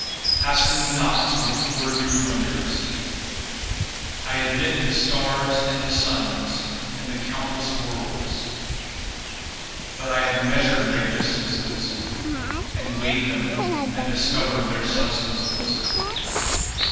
ask me not to record your wonders, I admit the stars and the suns And the countless worlds. But I have measured their distances And weighed them and discovered their substances.